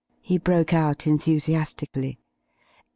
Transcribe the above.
he broke out enthusiastically.